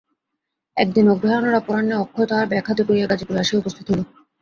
একদিন অগ্রহায়ণের অপরাহ্নে অক্ষয় তাহার ব্যাগ হাতে করিয়া গাজিপুরে আসিয়া উপস্থিত হইল।